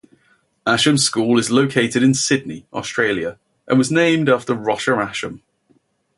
Ascham School is located in Sydney, Australia, and was named after Roger Ascham.